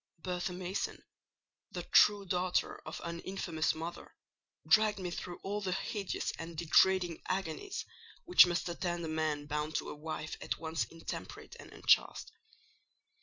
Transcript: Bertha Mason, the true daughter of an infamous mother, dragged me through all the hideous and degrading agonies which must attend a man bound to a wife at once intemperate and unchaste.